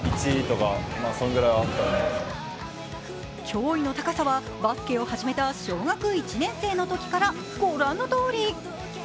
驚異の高さはバスケを始めた小学１年生のときからご覧のとおり。